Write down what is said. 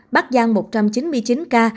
bắc giang một trăm chín mươi chín ca